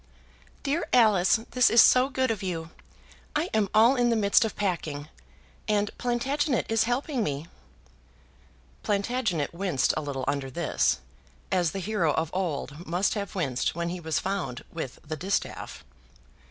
"Dear Alice, this is so good of you! I am all in the midst of packing, and Plantagenet is helping me." Plantagenet winced a little under this, as the hero of old must have winced when he was found with the distaff.